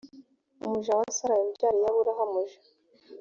umuja wa sara yabyariye aburahamu j